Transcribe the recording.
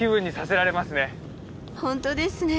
本当ですね。